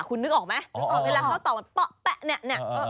คุณนึกออกไหมเวลาข้าวตอกต๊อกแป๊ะเนี่ย